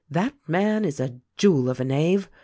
"That man is a jewel of a knave.